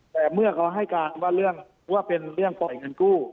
แต่เมื่อเขาให้การว่าเป็นเรื่องปล่อยเงินกู้